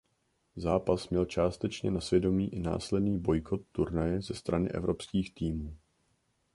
Zápas měl částečně na svědomí i následný bojkot turnaje ze strany evropských týmů.